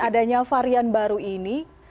adanya varian baru ini